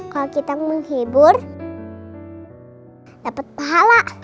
kalau kita mau hibur dapat pahala